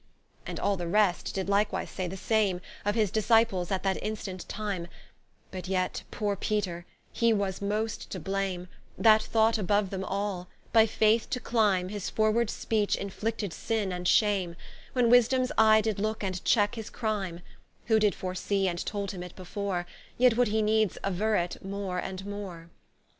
And all the rest (did likewise say the same) Of his Disciples, at that instant time; But yet poore Peter, he was most too blame, That thought aboue them all; by Faith to clime; His forward speech inflicted sinne and shame, When Wisdoms eye did looke and checke his crime: Who did foresee, and told him it before, Yet would he needs auerre it more and more.